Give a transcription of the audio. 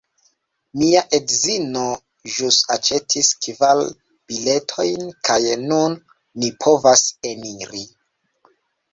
Mia edzino ĵus aĉetis kvar biletojn kaj nun ni povas eniri